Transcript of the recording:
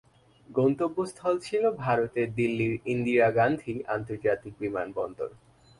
গন্তব্যস্থল ছিল ভারতের দিল্লীর ইন্দিরা গান্ধী আন্তর্জাতিক বিমানবন্দর।